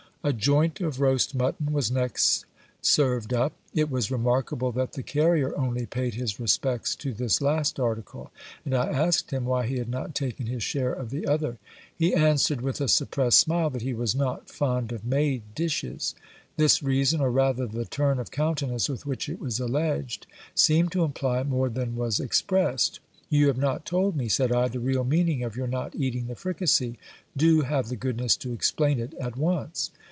A joint of roast mutton was next served up. Tt was remarkable that the carrier only paid his respects to this last article ; and I asked him why he had not taken his share of the other. He answered with a suppressed smile, that he was not fond of made dishes. This reason, or rather the turn of countenance with which it was alleged, seemed to imply more than was expressed. You have not told me, said I, the real meaning of your not eating the fricassee : do have the goodness to explain it at once.